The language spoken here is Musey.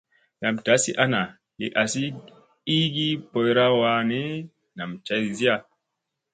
Nam dazi ana li azi i gi poyra wa ni, nam cazya.